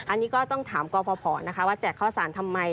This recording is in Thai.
อันนี้ก็ต้องถามกรพนะคะว่าแจกข้าวสารทำไม